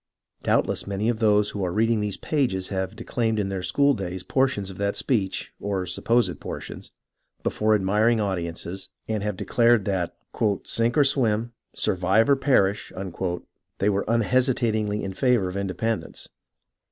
Doubtless many of those who are reading these pages have declaimed in their school days portions of that speech, or supposed portions, before admiring audiences, and have declared that " sink or swim, survive or perish," they were unhesi tatingly in favour of independence.